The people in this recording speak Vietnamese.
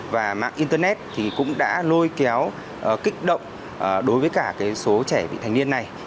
và mạng internet thì cũng đã lôi kéo kích động đối với cả số trẻ vị thành niên này